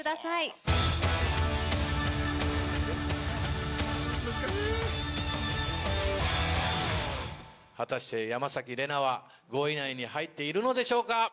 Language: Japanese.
・難しい・果たして山玲奈は５位以内に入っているのでしょうか？